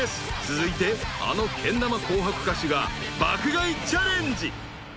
［続いてあのけん玉『紅白』歌手が爆買いチャレンジ］